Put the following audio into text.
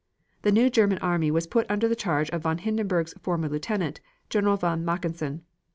The new German army was put under the charge of von Hindenburg's former lieutenant, General von Mackensen.